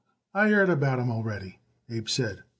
"I heard about him already," Abe said.